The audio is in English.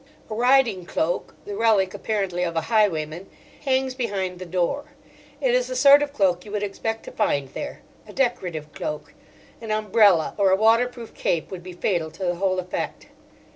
A riding cloak, the relic apparently of a highwayman, hangs behind the door. It is the sort of cloak you would expect to find there—a decorative cloak. An umbrella or a waterproof cape would be fatal to the whole effect.